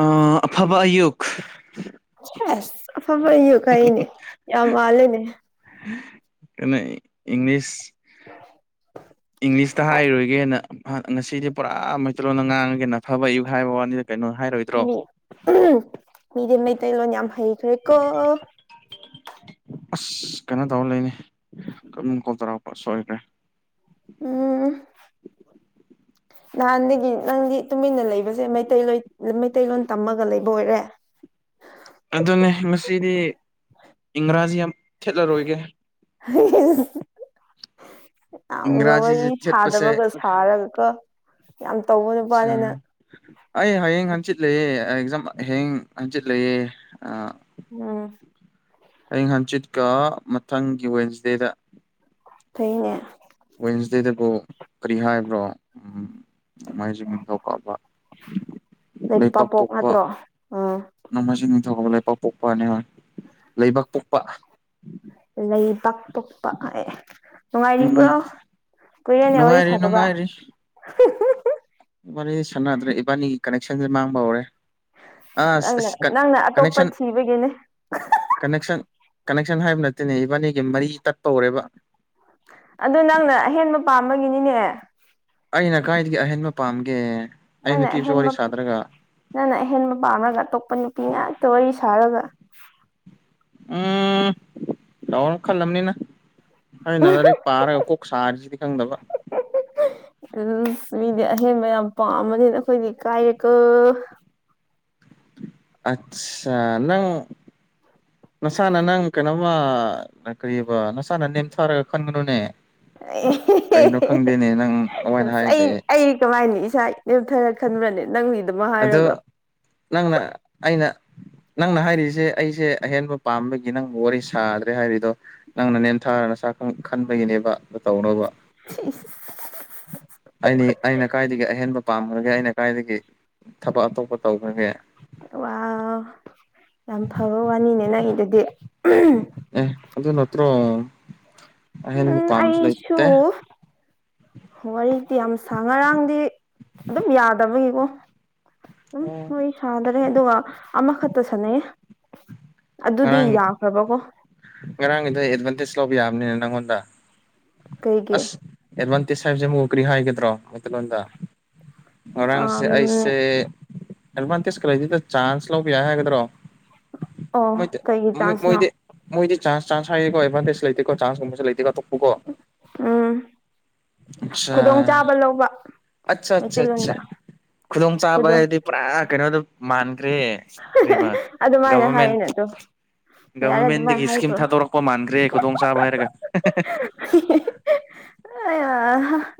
ꯑ ꯑꯐꯕ ꯑꯌꯨꯛ [unintelligible] ꯑꯐꯕ ꯑꯌꯨꯛ ꯍꯥꯏꯑꯦꯅꯦ ꯌꯥꯝ ꯃꯥꯜꯂꯦꯅꯦ [unintelligible] ꯏꯪꯂꯤꯁ [unintelligible] ꯏꯪꯂꯤꯁꯇ ꯍꯥꯏꯔꯣꯏꯒꯦꯅ ꯉꯁꯤꯗꯤ ꯄꯨꯔꯥ ꯃꯩꯇꯂꯂꯣꯟꯅ ꯉꯥꯡꯉꯒꯦꯅ ꯐꯕ ꯑꯌꯨꯛ ꯍꯥꯏꯕ ꯋꯥꯅꯤꯗ ꯀꯩꯅꯣ ꯍꯥꯏꯔꯣꯏꯗ꯭ꯔꯣ [unintelligible] ꯃꯤꯗꯤ ꯃꯩꯇꯩꯂꯣꯟ ꯌꯥꯝ ꯍꯩꯈ꯭ꯔꯦꯀꯣ [unintelligible] ꯑꯁ ꯀꯩꯅꯣ ꯇꯧꯔ ꯂꯩꯅꯤ ꯀꯣꯜ ꯇꯧꯔꯛꯄ ꯁꯣꯏꯈ꯭ꯔꯦ ꯎꯝ [unintelligible] ꯅꯍꯥꯟꯗꯒꯤ ꯅꯪꯗꯤ ꯇꯨꯃꯤꯟꯅ ꯂꯩꯕꯁꯦ ꯃꯩꯇꯩ ꯃꯩꯇꯩꯂꯣꯟꯣꯏ ꯃꯩꯇꯩꯂꯣꯟ ꯇꯝꯃꯒ ꯂꯩꯕ ꯑꯣꯏꯔꯦ ꯑꯗꯨꯅꯦ ꯉꯁꯤꯗꯤ ꯏꯪꯒ꯭ꯔꯥꯖꯤ ꯌꯥꯝ ꯊꯦꯠꯂꯔꯣꯏꯒꯦ [unintelligible] ꯌꯥꯝꯒ ꯋꯥꯔꯤ ꯏꯪꯒ꯭ꯔꯥꯖꯤꯁꯦ ꯊꯦꯠꯄꯁꯦ ꯁꯥꯗꯕꯒꯁꯨ ꯁꯥꯔꯒ ꯀꯣ ꯌꯥꯝ ꯇꯧꯕ [unintelligible] ꯑꯩ ꯍꯌꯦꯡ ꯍꯟꯆꯤꯠ ꯂꯩꯌꯦ ꯑꯦꯛꯖꯝ ꯍꯌꯦꯡ ꯍꯟꯆꯤꯠ ꯂꯩꯑꯦ ꯑ ꯎꯝ ꯑꯌꯦꯡ ꯍꯪꯆꯤꯠꯀ ꯃꯊꯪꯒꯤ ꯋꯦꯟꯁꯗꯦꯗ ꯐꯩꯅꯦ ꯋꯦꯟꯁꯗꯦꯗꯕꯨ ꯀꯔꯤ ꯍꯥꯏꯕ꯭ꯔꯣ ꯎꯝ ꯣꯡꯃꯥꯏꯖꯤꯡ ꯅꯤꯡꯊꯧ ꯀꯥꯕ [unintelligible] ꯂꯩꯕꯥꯛ ꯂꯩꯄꯥꯄꯣꯛ ꯄꯣꯛꯄ ꯅꯠꯇ꯭ꯔꯣ ꯎꯝ ꯅꯣꯡꯃꯩꯖ ꯅꯤꯡꯊꯧ ꯂꯩꯕꯥꯛ ꯄꯣꯛꯄꯅꯤ ꯍꯣꯏ ꯂꯩꯕꯥꯛ ꯄꯣꯛꯄ ꯂꯩꯕꯥꯛ ꯄꯣꯛꯄ ꯑꯦ ꯅꯨꯡꯉꯥꯏꯔꯤꯕ꯭ꯔꯣ ꯎꯝ ꯀꯨꯏꯔꯦꯅꯦ ꯋꯥꯔꯤ ꯅꯨꯡꯉꯥꯏꯔꯤ ꯁꯥꯗꯕ ꯋꯥꯔꯤ ꯁꯥꯟꯅꯗ꯭ꯔꯦ ꯏꯕꯥꯅꯤꯒꯤ ꯀꯅꯦꯛꯁꯟꯁꯦ ꯃꯥꯡꯕ ꯍꯧꯔꯦ ꯑꯁ ꯅꯪꯅ ꯑꯁ ꯅꯪꯅ ꯑꯇꯣꯞꯄ ꯀꯅꯦꯛꯁꯟ ꯊꯤꯕꯒꯤꯅꯦ ꯀꯅꯦꯛꯁꯟ ꯀꯅꯦꯛꯁꯟ ꯍꯥꯏꯕ ꯅꯠꯇꯦꯅꯦ ꯏꯕꯥꯅꯤꯒꯤ ꯃꯔꯤ ꯇꯠꯄ ꯍꯧꯔꯦꯕ ꯑꯗꯨ ꯅꯪꯅ ꯑꯍꯦꯟꯕ ꯄꯥꯝꯕꯒꯤꯅꯤꯅꯦ ꯑꯩꯅ ꯀꯥꯏꯗꯒꯤ ꯑꯍꯦꯟꯕ ꯄꯥꯝꯒꯦ ꯑꯩ ꯅꯪꯅ ꯅꯨꯄꯤꯁꯨ ꯋꯥꯔꯤ ꯑꯍꯦꯟꯕ ꯁꯥꯗ꯭ꯔꯒ ꯅꯪꯅ ꯑꯍꯦꯟꯕ ꯄꯥꯝꯔꯒ ꯑꯇꯣꯞꯄ ꯅꯨꯄꯤ ꯉꯥꯛꯇ ꯋꯥꯔꯤ ꯁꯥꯔꯒ ꯎꯝ [unintelligible] ꯈꯜꯂꯝꯕꯅꯤꯅ ꯑꯩꯅ ꯂꯥꯏꯔꯤꯛ ꯄꯥꯔꯒ ꯀꯣꯛ ꯁꯥꯔꯤꯁꯤꯗꯤ ꯈꯪꯗꯕ [unintelligible] ꯎꯝ ꯃꯤꯗꯤ ꯑꯍꯦꯟꯕ ꯌꯥꯝ ꯄꯥꯝꯝꯕꯅꯤ ꯑꯩꯈꯣꯏꯗꯤ ꯏꯀꯥꯏꯌꯦꯀꯣ ꯑꯠꯆꯥꯥ ꯅꯪ ꯅꯁꯥꯅ ꯅꯪ ꯀꯩꯅꯣꯝ ꯃ ꯀꯔꯤꯕ ꯅꯁꯥꯅ ꯅꯦꯝꯊꯥꯔꯒ ꯈꯟꯒꯅꯨꯅꯦ꯫ ꯀꯩꯅꯣ ꯈꯪꯗꯦꯅꯦ ꯅꯪ ꯑꯗꯨꯃꯥꯏꯅ ꯑꯩ ꯍꯥꯏꯗꯦ ꯑꯩ ꯀꯃꯥꯏꯅꯤ ꯏꯁꯥ ꯅꯦꯝꯊꯔ ꯈꯟꯕ꯭ꯔꯅꯦ ꯅꯪꯒꯤ ꯗꯥꯃꯛ ꯍꯥꯏꯔꯒ꯫ ꯑꯗꯣ ꯅꯪꯅ ꯑꯩꯅ ꯅꯪꯅ ꯍꯥꯏꯔꯤꯁꯦ ꯑꯩꯁꯦ ꯑꯍꯦꯟꯕ ꯄꯥꯝꯕꯒꯤ ꯅꯪꯕꯨ ꯋꯥꯔꯤ ꯁꯥꯗ꯭ꯔꯦ ꯍꯥꯏꯔꯤꯗꯣ ꯅꯪꯅ ꯅꯦꯝꯊꯥꯔ ꯅꯥꯁ ꯈꯟꯕꯒꯤꯅꯦꯕ꯫ ꯇꯧꯅꯣꯕ ꯑꯩꯅꯤ ꯑꯩꯅ ꯀꯥꯏꯗꯒꯤ ꯑꯍꯦꯟꯕ ꯄꯥꯝꯈꯒꯦ ꯑꯩꯅ ꯀꯥꯏꯗꯒꯤ꯫ ꯊꯕꯛ ꯑꯇꯣꯞꯄ ꯇꯧꯈ꯭ꯔꯒꯦ꯫ ꯋꯥꯎ ꯌꯥꯝ ꯐꯕ ꯋꯥꯅꯤꯅꯦ ꯅꯪꯒꯤꯗꯨꯗꯤ꯫ ꯑꯦ ꯑꯗꯨ ꯅꯠꯇ꯭ꯔꯣ꯫ ꯑꯍꯦꯟꯕ ꯎꯝ ꯄꯥꯝꯕꯁꯨ ꯂꯩꯇꯦ ꯑꯩꯁꯨꯨ꯫ ꯋꯥꯔꯤꯗꯤ ꯌꯥꯝ ꯁꯥ ꯉꯔꯥꯡꯗꯤ ꯑꯗꯨꯝ ꯌꯥꯗꯕꯒꯤꯀꯣ꯫ ꯎꯝ ꯑꯣ ꯋꯥꯔꯤ ꯁꯥꯗꯔꯦ ꯑꯗꯨꯒ ꯑꯃꯈꯛꯇ ꯁꯥꯟꯅꯩꯌꯦ꯫ ꯑꯗꯨꯗꯤ ꯌꯥꯈ꯭ꯔꯕꯀꯣ꯫ ꯉꯔꯥꯡꯒꯤꯗꯨ ꯑꯦꯗꯚꯥꯟꯇꯦꯖ ꯂꯧꯕ ꯌꯥꯕꯅꯦ ꯅꯪꯉꯣꯟꯗ ꯀꯩꯒꯤ ꯑꯁ꯫ ꯑꯦꯗꯚꯥꯟꯇꯦꯖ ꯍꯥꯏꯕꯁꯦ ꯑꯃꯨꯛ ꯀꯔꯤ ꯍꯥꯏꯒꯗ꯭ꯔꯣ ꯃꯩꯇꯩ ꯂꯣꯟꯗ꯫ ꯉꯔꯥꯡꯁꯦ ꯑꯝ ꯑꯩꯁꯦ ꯑꯦꯗꯚꯥꯟꯇꯦꯖ ꯂꯩꯇꯦꯗꯥ ꯆꯥꯟꯁ ꯂꯧꯕ ꯌꯥꯏ ꯍꯥꯏꯒꯗ꯭ꯔꯣ꯫ [inaudible] ꯃꯣꯏꯗ ꯀꯩꯒꯤ ꯇ꯭ꯔꯥꯟꯁꯅꯣ ꯃꯣꯏꯗꯤ ꯃꯣꯏꯗꯤ ꯆꯥꯟꯁ ꯆꯥꯟꯁ ꯍꯥꯏꯔꯤꯀꯣ ꯑꯦꯗꯚꯥꯟꯇꯦꯖ ꯂꯩꯇꯦꯀꯣ ꯆꯥꯟꯁꯀꯨꯝꯕꯁꯨ ꯂꯩꯇꯦꯀꯣ ꯑꯇꯣꯛꯄꯀꯣ꯫ ꯎꯝ꯫ ꯑꯁꯥ ꯈꯨꯗꯣꯡ ꯆꯥꯕ ꯂꯧꯕ ꯑꯆꯥ ꯑꯆꯥ ꯑꯆꯥ ꯃꯩꯇꯩꯂꯣꯟꯗ ꯈꯨꯗꯣꯡ ꯆꯥꯕꯗꯤ ꯍꯥꯏꯗꯤ꯫ ꯄꯨꯔꯥ ꯀꯩꯅꯣꯗꯨ ꯃꯥꯟꯈ꯭ꯔꯦ ꯀꯔꯤꯕ ꯑꯗꯨꯃꯥꯏꯅ ꯒꯚꯔꯃꯦꯟ꯫ ꯍꯥꯏꯌꯦꯅꯦ ꯑꯗꯣ ꯌꯥꯔꯦ ꯒꯚꯔꯃꯦꯟꯗꯒꯤ ꯑꯗꯨꯃꯥꯏꯅ ꯏꯁꯀꯤꯝ ꯍꯥꯏꯈ꯭ꯔꯣ ꯊꯥꯗꯣꯔꯛꯄ ꯃꯥꯟꯈ꯭ꯔꯦ ꯈꯨꯗꯣꯡ ꯆꯥꯕ ꯍꯥꯏꯔꯒ꯫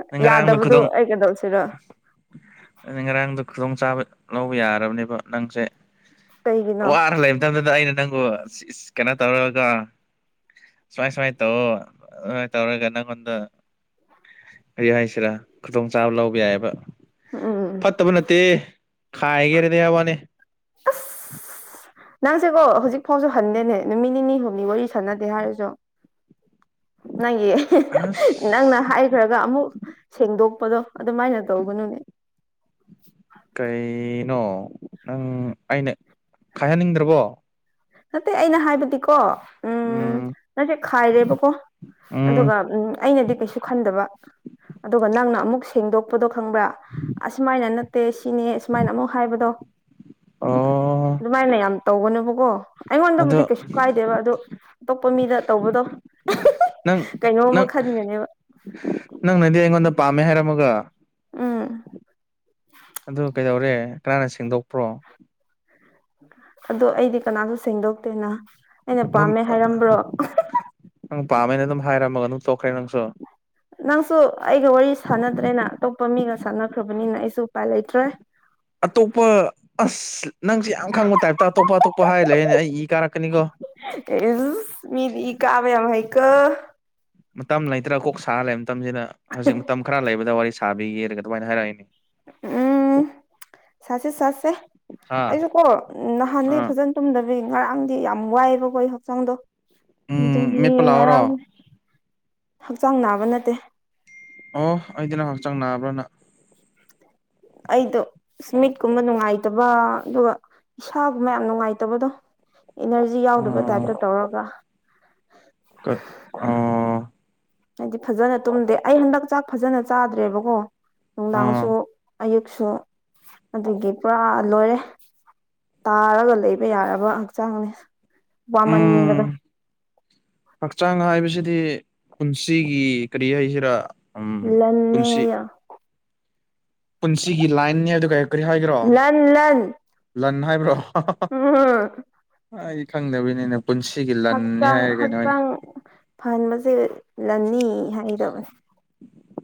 ꯅꯪ ꯌꯥꯗꯕꯗꯣ ꯑꯩ ꯀꯩꯗꯧꯁꯤꯔ꯫ ꯑꯗꯨꯅꯤ ꯉꯔꯥꯡꯗꯣ ꯈꯨꯗꯣꯡꯆꯥꯥꯕ ꯂꯧꯕ ꯌꯥꯔꯕꯅꯦꯕ ꯅꯪꯁꯦ꯫ ꯀꯩꯒꯤꯅꯣ ꯋꯥꯔ ꯂꯩꯕ ꯃꯇꯝꯗꯨꯗ ꯑꯩꯅ ꯅꯪꯕꯨ ꯀꯩꯅꯣ ꯇꯧꯔꯒ꯫ ꯁꯨꯃꯥꯏ ꯁꯨꯃꯥꯏꯅ ꯇꯧꯑꯣ ꯑꯗꯨꯃꯥꯏꯅ ꯇꯧꯔꯒ ꯅꯪꯉꯣꯟꯗ ꯀꯔꯤ ꯍꯥꯏꯁꯤꯔꯥ ꯈꯨꯗꯣꯡꯆꯥꯥꯕ ꯂꯧꯕ ꯌꯥꯏꯑꯦꯕ꯫ ꯎꯝ꯫ ꯇꯕ ꯅꯠꯇꯦ ꯈꯥꯏꯒꯦ ꯍꯥꯏꯔꯗꯤ ꯍꯥꯏ ꯋꯥꯅꯦ꯫ ꯑꯁ ꯅꯪꯁꯦꯀꯣ ꯍꯧꯖꯤꯛꯐꯥꯎꯁꯨ ꯍꯟꯗꯦꯅꯦ ꯅꯨꯃꯤꯠ ꯅꯤꯅꯤ ꯍꯨꯝꯅꯤ ꯋꯥꯔꯤ ꯁꯥꯟꯅꯗꯦ ꯍꯥꯏꯔꯁꯨ꯫ ꯅꯪꯒꯤ ꯅꯪꯅ ꯑꯁ ꯍꯥꯏꯈ꯭ꯔꯒ ꯑꯃꯨꯛ ꯁꯦꯡꯗꯣꯛꯄꯗꯣ ꯑꯗꯨꯃꯥꯏꯅ ꯇꯧꯒꯅꯨꯅꯦ꯫ ꯀꯩꯅꯣ ꯅꯪ ꯑꯩꯅ ꯈꯥꯏꯍꯟꯅꯤꯡꯗ꯭ꯔꯕꯣ꯫ ꯅꯠꯇꯦ ꯑꯩꯅ ꯍꯥꯏꯕꯗꯤꯀꯣ ꯎꯝ ꯅꯁꯦ ꯈꯥꯏꯔꯦꯕꯀꯣ ꯎꯝ ꯑꯗꯨꯒ ꯎꯝ ꯑꯩꯅꯗꯤ ꯀꯩꯁꯨ ꯈꯟꯗꯕ ꯑꯗꯨꯒ ꯅꯪꯅ ꯑꯃꯨꯛ ꯁꯦꯡꯗꯣꯛꯄꯗꯣ ꯈꯪꯕ꯭ꯔꯥ ꯑꯁꯨꯃꯥꯏꯅ ꯇꯦ ꯁꯤꯅꯦ ꯁꯨꯃꯥꯏꯅ ꯑꯃꯨꯛ ꯍꯥꯏꯕꯗꯣ ꯑꯣ ꯑꯗꯨꯃꯥꯏꯅ ꯌꯥꯝ ꯇꯧꯒꯅꯨꯕꯀꯣ꯫ ꯑꯗꯣ ꯑꯩꯉꯣꯟꯗꯕꯨꯗꯤ ꯀꯩꯁꯨ ꯀꯥꯏꯗꯦꯕ ꯑꯗꯨ ꯑꯇꯣꯞꯄ ꯃꯤꯗ ꯇꯧꯕꯗꯣ꯫ ꯅꯪ ꯅꯪ ꯀꯩꯅꯣꯝꯃ ꯈꯟꯒꯅꯦꯕ꯫ ꯅꯪꯅꯗꯤ ꯑꯩꯉꯣꯟꯗ ꯄꯥꯝꯃꯦ ꯍꯥꯏꯔꯝꯃꯒ꯫ ꯎꯝ ꯑꯗꯨ ꯀꯩꯗꯧꯔꯦ ꯀꯅꯥꯅ ꯁꯦꯡꯗꯣꯛꯄ꯭ꯔꯣ꯫ ꯑꯗꯣ ꯑꯩꯗꯤ ꯀꯅꯥꯁꯨ ꯁꯦꯡꯗꯣꯛꯇꯦꯅ꯫ ꯑꯩꯅ ꯑꯗꯨꯝ ꯄꯥꯝꯃꯦ ꯍꯥꯏꯔꯝꯕ꯭ꯔꯣ ꯅꯪ ꯄꯥꯝꯃꯦꯅ ꯑꯗꯨꯝ ꯍꯥꯏꯔꯝꯃꯒ ꯑꯗꯨꯝ ꯇꯣꯛꯈ꯭ꯔꯦ ꯅꯪꯁꯨ꯫ ꯅꯪꯁꯨ ꯑꯩꯒ ꯋꯥꯔꯤ ꯁꯥꯟꯅꯗ꯭ꯔꯦꯅ ꯑꯇꯣꯞꯄ ꯃꯤꯒ ꯁꯥꯟꯅꯈ꯭ꯔꯕꯅꯤꯅ ꯑꯩꯁꯨ ꯎꯄꯥꯏ ꯂꯩꯇ꯭ꯔꯦ꯫ ꯑꯇꯣꯞꯄ ꯑꯁ ꯅꯪꯁꯦ ꯌꯥꯝ ꯈꯪꯕ ꯇꯥꯏꯞꯇ ꯑꯇꯣꯞꯄ ꯑꯇꯣꯞꯄ ꯍꯥꯏꯔ ꯂꯩꯌꯦꯅꯦ ꯑꯩ ꯏ ꯀꯥꯔꯛꯀꯅꯤꯀꯣ꯫ ꯏꯁ ꯃꯤꯗꯤ ꯏ ꯀꯥꯕ ꯌꯥꯝ ꯍꯩꯀꯣ꯫ ꯃꯇꯝ ꯂꯩꯇ꯭ꯔꯥ ꯀꯣꯛ ꯁꯥꯔ ꯂꯩꯕ ꯃꯇꯝꯁꯤꯗ ꯍꯧꯖꯤꯛ ꯃꯇꯝ ꯈꯔ ꯂꯩꯕꯗ ꯋꯥꯔꯤ ꯁꯥꯕꯤꯒꯦꯔꯒ ꯑꯗꯨꯃꯥꯏꯅ ꯍꯥꯏꯔꯛꯏꯅꯤ꯫ ꯎꯝ ꯁꯥꯠꯁꯦ ꯁꯥꯠꯁꯦ ꯍꯥ ꯑꯩꯁꯨ ꯀꯣ ꯑꯥ ꯅꯍꯥꯟꯗꯒꯤ ꯐꯖꯅ ꯇꯨꯝꯗꯕꯤ ꯉꯔꯥꯡꯗꯤ ꯌꯥꯝ ꯋꯥꯏꯑꯦꯕꯀꯣ ꯑꯩꯒꯤ ꯍꯛꯆꯥꯡꯗꯣ꯫ ꯎꯝ ꯑꯗꯨꯒꯤ ꯃꯦꯠꯄ ꯉꯔꯥꯡ ꯂꯥꯛꯑꯣꯔꯣ ꯍꯛꯆꯥꯡ ꯅꯥꯕ ꯅꯠꯇꯦ꯫ ꯑꯣ ꯑꯩꯗꯤ ꯅ ꯍꯛꯆꯥꯡ ꯅꯥꯕ꯭ꯔꯅ ꯑꯩꯗꯣ ꯏꯁꯃꯤꯠꯀꯨꯝꯕ ꯅꯨꯡꯉꯥꯏꯇꯕ ꯑꯗꯨꯒ ꯏꯁꯥꯒꯨꯝꯕ ꯌꯥꯝ ꯅꯨꯡꯉꯥꯏꯇꯕꯗꯣ ꯏꯅꯔꯖꯤ ꯌꯥꯎꯗꯕ ꯑꯥ ꯇꯥꯞꯇ ꯇꯧꯔꯒ ꯑ ꯍꯥꯏꯗꯤ ꯐꯖꯅ ꯇꯨꯝꯗꯦ ꯑꯩ ꯍꯟꯗꯛ ꯆꯥꯛ ꯐꯖꯅ ꯆꯥꯗ꯭ꯔꯦꯕꯀꯣ ꯑꯥ ꯅꯨꯡꯗꯥꯡꯁꯨ ꯑꯌꯨꯛꯁꯨ ꯑꯗꯨꯒꯤ ꯄꯨꯔꯥ ꯂꯣꯏꯔꯦ ꯇꯥꯔꯒ ꯂꯩꯕ ꯌꯥꯔꯕ ꯍꯛꯆꯥꯡꯅꯤ ꯋꯥꯃꯟꯕꯗ ꯎꯝ ꯍꯛꯆꯥꯡ ꯍꯥꯏꯕꯁꯤꯗꯤ ꯄꯨꯟꯁꯤꯒꯤ ꯀꯔꯤ ꯍꯥꯏꯁꯤꯔꯥ ꯎꯝ ꯂꯪꯅꯦ ꯄꯨꯟꯁꯤ ꯌꯥ ꯄꯨꯟꯁꯤꯒꯤ ꯂꯥꯏꯟꯅꯤ ꯑꯗꯨ ꯀꯔꯤ ꯀꯔꯤ ꯍꯥꯏꯈ꯭ꯔꯣ ꯂꯟ ꯂꯟ ꯂꯟ ꯍꯥꯏꯕ꯭ꯔꯣ ꯎꯝ ꯑꯩ ꯈꯪꯗꯕꯤꯅꯤꯅ ꯄꯨꯟꯁꯤꯒꯤ ꯂꯟꯅꯤ ꯍꯛꯆꯥꯡ ꯍꯥꯏꯔꯒꯦꯅꯦꯣꯏꯅ ꯍꯛꯆꯥꯡ ꯐꯍꯟꯕꯁꯦ ꯂꯅꯤ ꯍꯥꯏꯗꯕꯅꯦ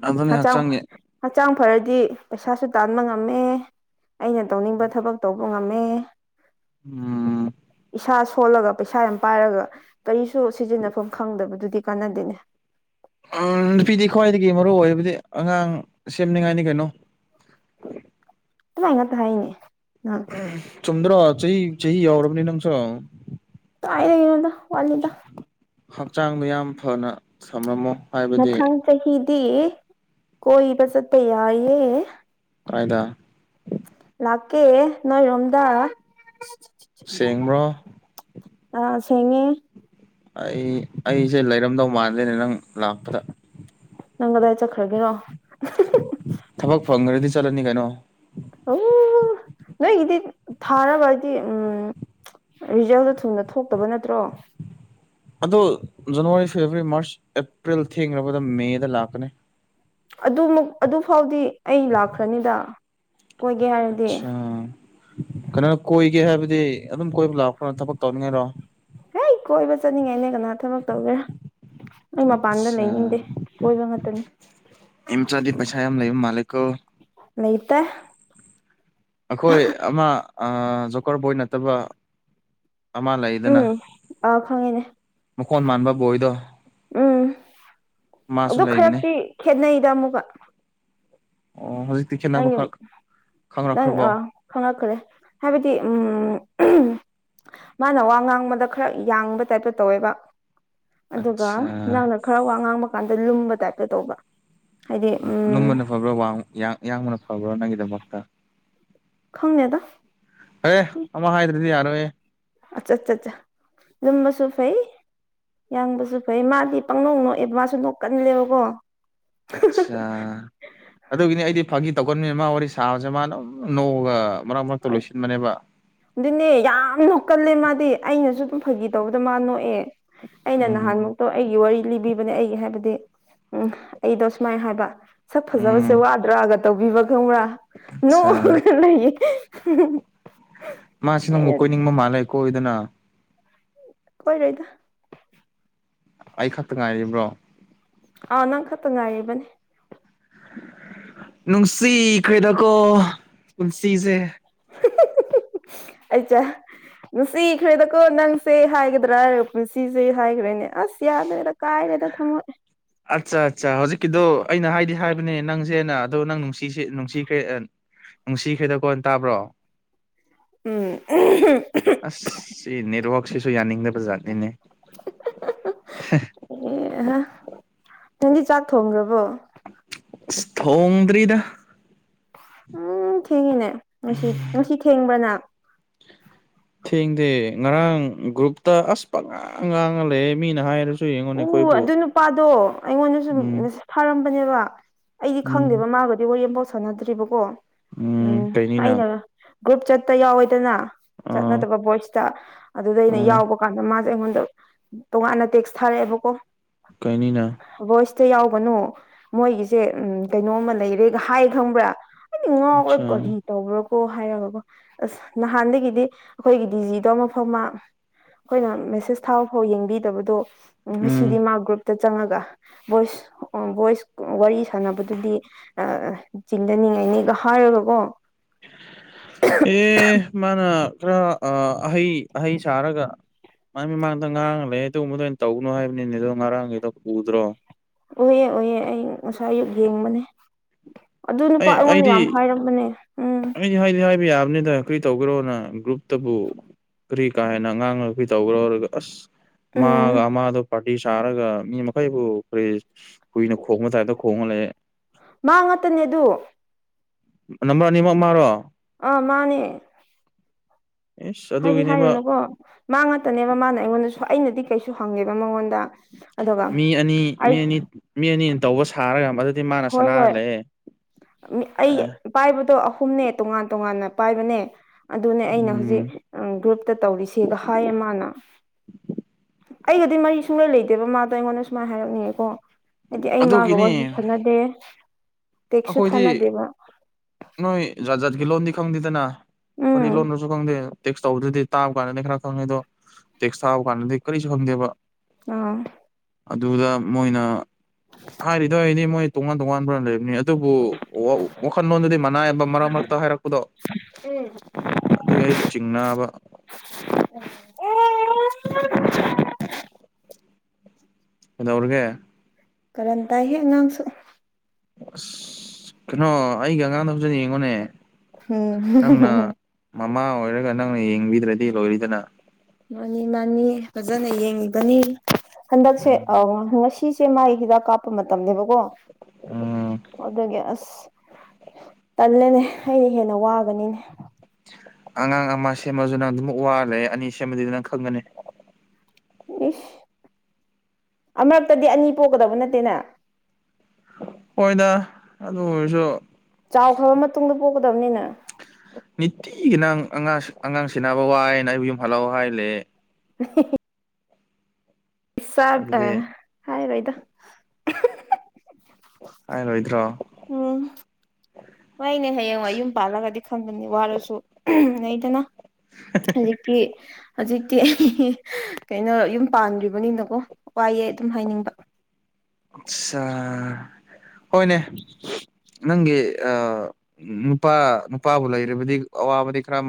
ꯑꯗꯨꯅꯦ ꯍꯛꯆꯥꯡ ꯍꯛꯆꯥꯡꯒꯤ ꯍꯛꯆꯥꯡ ꯐꯔꯗꯤ ꯄꯩꯁꯥꯁꯨ ꯇꯥꯟꯕ ꯉꯝꯃꯦ ꯑꯩꯅ ꯇꯧꯅꯤꯡꯕ ꯊꯕꯛ ꯇꯧꯕ ꯉꯝꯃꯦ ꯎꯝ ꯏꯁꯥ ꯁꯣꯜꯂꯒ ꯄꯩꯁꯥ ꯌꯥꯝ ꯄꯥꯏꯔꯒ ꯀꯔꯤꯁꯨ ꯁꯤꯖꯤꯟꯅꯐꯝ ꯈꯪꯗꯕꯗꯨꯗꯤ ꯀꯥꯟꯗꯅꯦ ꯅꯨꯄꯤꯗꯤ ꯈ꯭ꯋꯥꯏꯗꯒꯤ ꯃꯔꯨ ꯑꯣꯏꯔꯕꯗꯤ ꯑꯉꯥꯡ ꯁꯦꯝꯅꯤꯡꯉꯥꯏꯅꯤ ꯀꯩꯅꯣ ꯥꯏꯉ ꯍꯥꯏꯥꯏꯅꯦ ꯎ ꯆꯨꯝꯗ꯭ꯔꯥ ꯆꯍꯤ ꯆꯍꯤ ꯌꯥꯎꯔꯕꯅꯤ ꯅꯪꯁꯨ ꯥꯏꯗ ꯌꯦꯅꯗ ꯋꯥꯜꯗ ꯍꯛꯆꯥꯡꯗꯣ ꯌꯥꯝ ꯐꯅ ꯁꯝꯂꯝꯃꯣ ꯃꯊꯪ ꯆꯍꯤꯗꯤ ꯀꯣꯏꯕ ꯆꯠꯄ ꯌꯥꯏꯌꯦ ꯀꯥꯏꯗꯥ ꯂꯥꯛꯀꯦ ꯅꯣꯏꯔꯣꯝꯗ ꯁꯦꯡꯕ꯭ꯔꯣ ꯑꯥ ꯁꯤꯉꯦ ꯑꯩ ꯑꯩꯁꯦ ꯂꯩꯔꯝꯗꯧ ꯃꯥꯟꯗꯦꯅꯦ ꯅꯪ ꯂꯥꯛꯄꯗ ꯅꯪꯒꯗꯥꯏ ꯆꯠꯈ꯭ꯔꯒꯦꯀꯣ ꯊꯕꯛ ꯐꯪꯔꯦꯗꯤ ꯆꯂꯅꯤ ꯀꯩꯅꯣ ꯑꯣ ꯅꯣꯏꯒꯤꯗꯤ ꯊꯥꯔꯕ ꯍꯥꯏꯗꯤ ꯎꯝ ꯔꯤꯖꯜꯗꯣ ꯊꯨꯅ ꯊꯣꯛꯇꯕ ꯅꯠꯇ꯭ꯔꯣ ꯑꯗꯣ ꯖꯅꯋꯥꯔꯤ ꯐꯦꯕꯋꯥꯔꯤ ꯃꯥꯔꯁ ꯑꯦꯄ꯭ꯔꯤꯜ ꯊꯦꯡꯔꯕꯗ ꯃꯦꯗ ꯂꯥꯛꯀꯅꯤ ꯑꯗꯨꯃꯛ ꯑꯗꯨ ꯐꯥꯎꯗꯤ ꯑꯩ ꯂꯥꯛꯈ꯭ꯔꯅꯤꯗ ꯀꯣꯏꯒꯦ ꯍꯥꯏꯔꯗꯤ ꯑꯆꯥ ꯀꯩꯅꯣꯅ ꯀꯣꯏꯒꯦ ꯍꯥꯏꯕꯗꯤ ꯑꯗꯨꯝ ꯀꯣꯏꯕ ꯂꯥꯛꯄ꯭ꯔꯣꯅ ꯊꯕꯛ ꯇꯧꯅꯤꯡꯉꯥꯏꯔꯣ ꯍ ꯀꯣꯏꯕ ꯆꯠꯅꯤꯡꯉꯥꯏꯅꯦ ꯀꯅꯥ ꯊꯕꯛ ꯇꯧꯒꯦꯔꯥ ꯑꯩ ꯃꯄꯥꯟꯗ ꯑꯠꯆꯥ ꯂꯩꯅꯤꯡꯗꯦ ꯀꯣꯏꯕ ꯉꯥꯛꯇꯅꯤ ꯃꯦꯝ ꯆ ꯑꯗꯨꯗꯤ ꯄꯩꯁꯥ ꯌꯥꯝ ꯂꯩꯕ ꯃꯥꯜꯂꯤꯛꯣ ꯂꯩꯇꯦ ꯑꯩꯈꯣꯏ ꯑꯃ ꯖꯣꯀꯔ ꯕꯣꯏ ꯅꯠꯇꯕ ꯑꯃ ꯂꯩꯗꯅ ꯑ ꯈꯪꯉꯤꯅꯦ ꯃꯈꯣꯟ ꯃꯥꯟꯕ ꯕꯣꯏꯗꯣ ꯎꯝ ꯃꯥꯁꯨ ꯑꯗꯨ ꯂꯩꯕꯅꯦ ꯈꯔꯛꯇꯤ ꯈꯦꯠꯅꯩꯗ ꯑꯃꯨꯛꯀ ꯑꯣ ꯍꯧꯖꯤꯛꯇꯤ ꯅꯪꯒꯤ ꯈꯦꯠꯅꯕꯈꯛ ꯈꯪꯅꯛꯈ꯭ꯔꯕꯣ ꯈꯪꯪꯂꯛꯈ꯭ꯔꯦ ꯍꯥꯏꯕꯗꯤ ꯎ ꯃꯥꯅ ꯋꯥ ꯉꯥꯡꯕꯗ ꯈꯔ ꯌꯥꯡꯕ ꯇꯥꯞꯇ ꯇꯧꯋꯦꯕ ꯑꯗꯨꯒ ꯑꯠꯆꯥ ꯅꯪꯅ ꯈꯔ ꯋꯥ ꯉꯥꯡꯕ ꯀꯥꯟꯗ ꯂꯨꯝꯕ ꯇꯥꯞꯇ ꯇꯧꯕ ꯍꯥꯏꯗꯤ ꯎꯝ ꯂꯨꯝꯕꯅ ꯐꯕ꯭ꯔꯥ ꯋꯥꯡꯕ ꯌꯥꯡ ꯌꯥꯡꯕꯅ ꯐꯕ꯭ꯔꯥ ꯅꯪꯒꯤꯗꯃꯛꯇ ꯈꯪꯗꯦꯗ ꯑꯦ ꯑꯃ ꯍꯥꯏꯗ꯭ꯔꯗꯤ ꯌꯥꯔꯣꯏ ꯑꯆꯥ ꯑꯠꯆꯥ ꯆꯥ ꯂꯨꯝꯕ ꯁꯨ ꯐꯩ ꯌꯥꯡꯕꯁꯨ ꯐꯩ ꯃꯥꯗꯤ ꯄꯪꯅꯣꯡ ꯅꯣꯛꯑꯦ ꯃꯥꯁꯨ ꯅꯣꯛꯀꯜꯂꯦꯕꯀꯣ ꯑꯠꯆꯥ ꯑꯗꯨꯒꯤꯅꯤ ꯑꯩꯗꯤ ꯐꯥꯒꯤ ꯇꯧꯒꯟꯅꯦ ꯃꯥ ꯋꯥꯔꯤ ꯁꯥꯕꯁꯦ ꯃꯥ ꯑꯗꯨꯝ ꯅꯣꯡꯒ ꯃꯔꯛ ꯃꯔꯛꯇ ꯂꯣꯏꯁꯤꯟꯕꯅꯦꯕ ꯑꯗꯨꯅꯦ ꯌꯥꯝ ꯅꯣꯛꯀꯜꯂꯦ ꯃꯥꯗꯤ ꯑꯩꯅꯁꯨ ꯗꯨꯝ ꯐꯒꯤ ꯇꯧꯕꯗ ꯃꯥ ꯅꯣꯛꯑꯦ ꯑꯩꯅ ꯎꯝ ꯅꯍꯥꯟꯃꯨꯛꯇꯣ ꯑꯩꯒꯤ ꯋꯥꯔꯤ ꯂꯤꯕꯤꯕꯅꯦ ꯑꯩꯒꯤ ꯍꯥꯏꯕꯗꯤ ꯎꯝ ꯑꯩꯗꯣ ꯁꯨꯃꯥꯏꯅ ꯍꯥꯏꯕ ꯁꯛ ꯐꯖꯕꯁꯦ ꯎꯝ ꯋꯥꯗ꯭ꯔꯥꯒ ꯇꯧꯕꯤꯕ ꯈꯪꯕ꯭ꯔꯥ ꯅꯣꯡ ꯑꯠꯁꯥ ꯂꯩ [unintelligible] ꯃꯥꯁꯤ ꯅꯪꯕꯨ ꯀꯣꯏꯅꯤꯡꯕ ꯃꯥꯜꯂꯦꯀꯣꯢꯌꯨꯗꯅ ꯀꯣꯏꯔꯣꯏꯗ ꯑꯩ ꯈꯛꯇ ꯉꯥꯏꯔꯤꯕ꯭ꯔꯣ ꯑꯥ ꯅꯪ ꯈꯛꯇ ꯉꯥꯏꯔꯤꯕꯅꯦ ꯅꯨꯡꯁꯤꯈꯦꯗꯀꯣ ꯄꯨꯟꯁꯤꯁꯦ [inaudible] ꯑꯩꯆꯥ ꯅꯨꯡꯁꯤꯈ꯭ꯔꯦꯗꯀꯣ ꯅꯪꯁꯦ ꯍꯥꯏꯒꯗ꯭ꯔꯥ ꯍꯥꯢꯔ ꯄꯨꯟꯁꯤꯁꯦ ꯍꯥꯏꯈ꯭ꯔꯦꯅꯦ ꯑꯁ ꯌꯥꯗ꯭ꯔꯦꯗ ꯀꯥꯏꯔꯦꯗ ꯊꯝꯃꯣꯢ ꯑꯠꯆꯥ ꯑꯠꯆꯥ ꯍꯧꯖꯤꯛꯀꯤꯗꯣ ꯑꯩꯅ ꯍꯥꯏꯗꯤ ꯍꯥꯏꯕꯅꯦ ꯅꯪꯁꯦꯅ ꯑꯗꯣ ꯅꯪ ꯅꯨꯡꯁꯤꯁꯦ ꯅꯨꯡꯁꯤꯈ꯭ꯔꯦ ꯑꯦ꯫ ꯅꯨꯡꯁꯤꯈꯔꯦꯗ ꯀꯣꯟ ꯇꯥꯕ꯭ꯔꯣ ꯎꯝ [unintelligible] ꯑꯁ ꯁꯤ ꯅꯦꯠꯋꯥꯛꯁꯤꯁꯨ ꯌꯥꯅꯤꯡꯗꯕꯖꯥꯠꯅꯤꯅꯦ ꯑꯦ ꯅꯪꯗꯤ ꯆꯥꯛ ꯊꯣꯡꯈ꯭ꯔꯕꯣ ꯊꯣꯡꯗ꯭ꯔꯤꯗ ꯎꯝ ꯊꯦꯡꯉꯤꯅꯦ ꯅꯨꯡꯁꯤꯠ ꯅꯨꯡꯁꯤꯠ ꯊꯦꯡꯕ꯭ꯔꯅ ꯊꯦꯡꯗꯦ ꯉꯔꯥꯡ ꯒ꯭ꯔꯨꯞꯇ ꯑꯁ ꯄꯪꯉꯥꯡ ꯉꯥꯡꯉꯥ ꯂꯩꯌꯦ ꯃꯤꯅ ꯍꯥꯏꯔꯁꯨ ꯌꯦꯡꯉꯣꯅꯦ ꯎ ꯑꯩꯈꯣꯏꯕꯨ ꯑꯗꯨ ꯅꯨꯄꯥꯗꯣ ꯑꯩꯉꯣꯟꯗ ꯁꯨꯝ ꯎꯝ ꯊꯥꯔꯝꯕꯅꯦꯕ ꯑꯩꯗꯤ ꯎꯝ ꯈꯪꯗꯦꯕ ꯃꯥꯒꯗꯤ ꯋꯥꯔꯤ ꯑꯃꯐꯥꯎ ꯁꯥꯟꯅꯗ꯭ꯔꯤꯕꯀꯣ ꯎꯝ ꯑꯩꯅ ꯒ꯭ꯔꯨꯞ ꯆꯠꯇ ꯌꯥꯎꯋꯦꯗꯅ ꯑꯥ ꯆꯠꯅꯗꯕ ꯚꯣꯏꯁꯇ ꯑꯗꯨꯗ ꯑꯩꯅ ꯑꯥ ꯌꯥꯎꯕ ꯀꯥꯟꯗ ꯃꯥ꯫ ꯑꯩꯉꯣꯟꯗ ꯇꯣꯉꯥꯟꯅ ꯇꯦꯛꯁ ꯊꯥꯔꯛꯑꯦꯕꯀꯣ ꯀꯩꯅꯤꯅ ꯚꯣꯏꯁꯇ ꯌꯥꯎꯕꯅꯣ ꯃꯣꯏꯒꯤꯁꯦ ꯎꯝ ꯀꯩꯅꯣꯝꯃ ꯂꯩꯔꯦꯒ ꯍꯥꯏ ꯈꯪꯕ꯭ꯔꯥ ꯉꯧꯕꯔ ꯑꯆꯥ ꯀꯔꯤ ꯇꯧꯕ꯭ꯔꯣ ꯀꯣ ꯍꯥꯏꯔꯒꯀꯣ ꯑꯁ ꯅꯍꯥꯟꯗꯒꯤꯗꯤ ꯑꯩꯈꯣꯏꯒꯤ ꯗꯤꯖꯤꯗꯣ ꯃꯐꯝ ꯑꯃ ꯑꯩꯈꯣꯏꯅ ꯃꯦꯁꯦꯁ ꯊꯥ ꯐꯥꯎ ꯌꯦꯡꯕꯤꯗꯕꯗꯣ ꯎꯝ ꯉꯁꯤꯗꯤ ꯃꯥ ꯒ꯭ꯔꯨꯞꯇ ꯆꯪꯉꯒ ꯚꯣꯏꯁ ꯚꯣꯏꯁ ꯋꯥꯔꯤ ꯁꯥꯟꯅꯕꯗꯨꯗꯤ ꯑ ꯆꯤꯡꯊꯟ ꯌꯦꯡꯅꯤꯒ ꯍꯥꯏꯔꯒꯀꯣ ꯑꯦ ꯃꯥꯅ ꯈꯔ ꯑ ꯑꯍꯩ ꯑꯍꯩ ꯁꯥꯔꯒ ꯃꯥ ꯃꯃꯥꯡꯗ ꯉꯥꯡ ꯂꯩ ꯑꯗꯨꯒꯨꯝꯕꯗ ꯑꯩ ꯇꯧꯅꯣ ꯍꯥꯏꯕꯅꯤꯅꯦ ꯑꯗꯣ ꯉꯔꯥꯡꯒꯤꯗꯣ ꯎꯗ꯭ꯔꯣ ꯑꯨꯏꯌꯦ ꯑꯨꯏꯌꯦ ꯑꯩ ꯉꯁꯥꯏ ꯑꯌꯨꯛ ꯌꯦꯡꯕꯅꯦ ꯑꯗꯨ ꯅꯨꯄꯥ ꯑꯩ ꯑꯩꯉꯣꯟꯗ ꯌꯥꯝ ꯍꯥꯏꯔꯝꯕꯅꯦ ꯎꯝ ꯍꯥꯏꯅꯤ ꯍꯥꯏꯕ ꯌꯥꯕꯅꯤꯗ ꯀꯔꯤ ꯇꯧꯒꯦꯔꯣꯅ ꯒ꯭ꯔꯨꯞꯇꯕꯨ ꯀꯔꯤ ꯀꯥꯥꯏꯅ ꯑꯉꯥꯡ ꯅꯨꯄꯤ ꯇꯧꯈ꯭ꯔꯣꯔꯒ ꯑꯁ ꯃꯥꯒ ꯎꯝ ꯑꯃꯥꯗꯣ ꯑꯩ ꯁꯥꯔꯒ ꯃꯤ ꯃꯈꯩꯕꯨ ꯀꯔꯦ ꯀꯨꯏꯅ ꯈꯣꯡꯕ ꯇꯥꯏꯞꯇ ꯈꯣꯡꯍꯜꯂꯦ ꯃ ꯉꯥꯛꯇꯅꯦ ꯑꯗꯨ ꯅꯝꯕꯔꯥꯅꯤꯃꯛ ꯃꯥꯔꯣ ꯑꯥ ꯃꯥꯅꯦ [unintelligible] ꯑꯦꯁ ꯍꯥꯏꯗꯤ ꯑꯗꯨꯒꯤꯅꯦꯕ ꯍꯥꯏꯔꯅꯨꯀꯣ ꯃꯥ ꯉꯥꯛꯇꯅꯦꯕ ꯃꯥꯅ ꯑꯩꯉꯣꯟꯗꯁꯨ ꯑꯩꯅꯗꯤ ꯀꯩꯁꯨ ꯍꯪꯉꯦꯕ ꯃꯉꯣꯟꯗ ꯑꯗꯨꯒ ꯃꯤ ꯑꯅꯤ ꯃꯤ ꯑꯩ ꯑꯅꯤ ꯃꯤ ꯑꯅꯤ ꯇꯧꯕ ꯁꯥꯔꯒ ꯃꯗꯨꯗꯤ ꯃꯥꯅ ꯍꯣꯏ ꯁꯅꯥꯔ ꯍꯣꯏ ꯂꯩ ꯃꯤ- ꯑꯩ ꯄꯥꯏꯕꯗꯣ ꯑꯍꯨꯝꯅꯦ ꯇꯣꯉꯥꯟ ꯇꯣꯉꯥꯟꯅ ꯄꯥꯏꯕꯅꯦ ꯑꯗꯨꯅꯦ ꯑꯩꯅ ꯎꯝ ꯍꯧꯖꯤꯛ ꯒ꯭ꯔꯨꯞꯇ ꯇꯧꯔꯤꯁꯤꯒ ꯍꯥꯏꯌꯦ ꯃꯥꯅ ꯑꯩꯒꯗꯤ ꯃꯔꯤ ꯁꯨꯡꯂꯩ ꯂꯩꯗꯦꯕ ꯃꯥꯗꯣ ꯑꯩꯉꯣꯟꯗ ꯁꯨꯃꯥꯏꯅ ꯍꯥꯏꯔꯛꯅꯤꯡꯉꯦꯀꯣ ꯍꯥꯏꯗꯤ ꯑꯩ ꯃꯥꯒ ꯑꯗꯨꯒꯤꯅꯤ ꯋꯥꯔꯤ ꯅꯠꯇꯦ ꯑꯩꯈꯣꯏꯗꯤ ꯅꯣꯏ ꯖꯥꯠ ꯖꯥꯠꯀꯤ ꯂꯣꯟꯗꯤ ꯈꯪꯗꯦꯗꯅ ꯀꯔꯤ ꯎꯝ ꯂꯣꯟꯅꯁꯨ ꯈꯪꯗꯦ ꯇꯦꯛꯁ ꯇꯧꯕꯗꯨꯗꯤ ꯇꯥꯕ ꯀꯥꯟꯗꯗꯤ ꯈꯔ ꯈꯪꯉꯦ ꯑꯗꯣ ꯇꯦꯛꯁ ꯊꯥꯕ ꯀꯥꯟꯗꯗꯤ ꯀꯔꯤꯁꯨ ꯈꯪꯗꯦꯕ ꯑꯥ ꯑꯗꯨꯗ ꯃꯣꯏꯅ ꯍꯥꯏꯔꯤꯗꯣ ꯑꯩꯗꯤ ꯃꯣꯏ ꯇꯣꯉꯥꯟ ꯇꯣꯉꯥꯟꯕ ꯂꯩꯕꯅꯤ ꯑꯗꯨꯕꯨ ꯋꯥꯈꯜꯂꯣꯟꯗꯨꯗꯤ ꯃꯅꯥꯏꯕ ꯃꯔꯛ ꯃꯔꯛꯇ ꯍꯥꯏꯔꯛꯄꯗꯣ ꯎꯝ ꯑꯗꯨꯒꯤ ꯑꯩ ꯆꯤꯡꯅꯕ ꯑꯣ [inaudible] ꯀꯩꯗꯧꯔꯒꯦ ꯀꯔꯟ ꯇꯥꯢꯍꯦ ꯑꯉꯥꯡꯁꯨ ꯑꯁ ꯀꯩꯅꯣ ꯑꯩꯒ ꯑꯉꯥꯡꯗ ꯍꯧꯖꯅꯤꯡꯕꯅꯦ ꯎꯝ ꯅꯪꯅ ꯃꯃꯥ ꯑꯣꯏꯔꯒ ꯅꯪꯅ ꯌꯦꯡꯕꯤꯗ꯭ꯔꯗꯤ ꯂꯣꯏꯔꯤꯗꯅ ꯃꯥꯅꯤ ꯃꯥꯅꯤ ꯐꯖꯅ ꯌꯦꯡꯉꯤꯕꯅꯤ ꯍꯟꯗꯛꯁꯦ ꯎꯝ ꯉꯁꯤ ꯁꯤꯁꯦ ꯃꯥꯥꯏ ꯍꯤꯗꯥꯛ ꯀꯥꯞꯄ ꯃꯇꯝꯅꯦꯕꯀꯣ ꯎꯝ ꯑꯗꯨꯒꯤ ꯑꯁ ꯇꯜꯂꯦꯅꯦ ꯑꯩꯅ ꯍꯦꯟꯅ ꯋꯥꯒꯅꯤꯅꯦ ꯑꯉꯥꯡ ꯑꯃ ꯁꯦꯝꯃꯁꯨ ꯅꯪ ꯑꯗꯨꯝ ꯋꯥꯔ ꯂꯩ ꯑꯅꯤ ꯁꯦꯝꯃꯗꯤ ꯑꯗꯨ ꯅꯪ ꯈꯪꯒꯅꯤ ꯏꯁ ꯑꯃꯨꯔꯛꯇꯗꯤ ꯑꯅꯤ ꯄꯣꯛꯀꯗꯧꯕ ꯅꯠꯇꯦꯅ ꯍꯣꯏꯗ ꯑꯗꯨ ꯑꯣꯏꯔꯁꯨ ꯆꯥꯎꯈ꯭ꯔꯕ ꯃꯇꯨꯡꯗ ꯄꯣꯛꯀꯗꯕꯅꯤꯅ ꯅꯤꯇꯤꯒꯤ ꯅꯪ ꯑꯉꯥꯡ ꯑꯉꯥꯡ ꯁꯦꯟꯅꯕ ꯋꯥꯏꯅ ꯑꯩꯕꯨ ꯌꯨꯝ ꯍꯜꯂꯛꯎꯨ ꯍꯥꯏ ꯂꯧꯔꯦ [inaudible] ꯁꯥ [inaudible] ꯑ ꯑꯗꯨꯗꯤ ꯍꯥꯏ ꯔꯣꯏꯗ ꯍꯥꯏꯔꯣꯏꯗ꯭ꯔꯣ ꯎꯝ ꯍꯣꯢꯅꯦ ꯍꯌꯦꯡꯋꯥ ꯌꯨꯝ ꯄꯥꯜꯂꯒꯗꯤ ꯈꯟꯕꯅꯤ ꯋꯥꯔꯁꯨ ꯂꯩꯗꯅ ꯍꯧꯖꯤꯛꯇꯤ ꯍꯧꯖꯤꯛꯇꯤ ꯑꯩ ꯀꯩꯅꯣ ꯌꯨꯝ ꯄꯥꯟꯈ꯭ꯔꯤꯕꯅꯤꯅꯀꯣ ꯋꯥꯏꯑꯦ ꯑꯗꯨꯝ ꯍꯥꯏꯅꯤꯡꯕ ꯑꯆꯥ ꯍꯣꯏꯅꯦ ꯅꯪꯒꯤ ꯅꯨꯄꯥ ꯅꯨꯄꯥꯕꯨ ꯂꯩꯔꯤꯕꯗꯤ ꯑꯋꯥꯕꯗꯤ ꯈꯔ